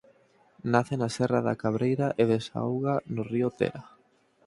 Nace na serra da Cabreira e desauga no río Tera.